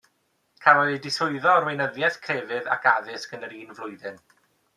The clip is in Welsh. Cafodd ei diswyddo o'r Weinyddiaeth Crefydd ac Addysg yn yr un flwyddyn.